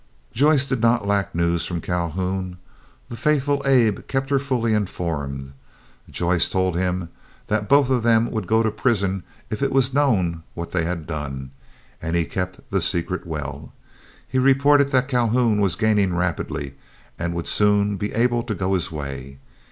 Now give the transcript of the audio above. Joyce did not lack news from Calhoun. The faithful Abe kept her fully informed. Joyce told him that both of them would go to prison if it was known what they had done, and he kept the secret well. He reported that Calhoun was gaining rapidly, and would soon be able to go his way.